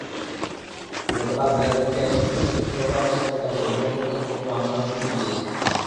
গতকাল বেলা দুইটায় শিক্ষাসচিব সোহরাব হোসেনের কাছে অভিভাবক ঐক্য ফোরাম স্মারকলিপি দিয়েছে।